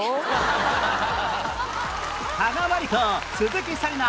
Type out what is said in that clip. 加賀まりこ鈴木紗理奈